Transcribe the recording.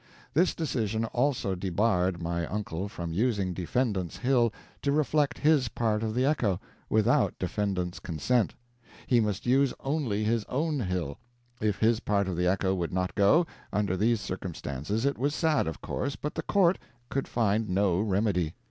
This decision also debarred my uncle from using defendant's hill to reflect his part of the echo, without defendant's consent; he must use only his own hill; if his part of the echo would not go, under these circumstances, it was sad, of course, but the court could find no remedy.